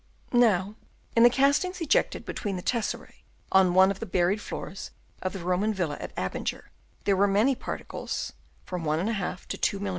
Now in the cast ings ejected between the tesserae on one of the buried floors of the Roman villa at Abinger, there were many particles (from ^ to 2 mm.